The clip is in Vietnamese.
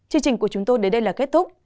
chương trình của chúng tôi đến đây là kết thúc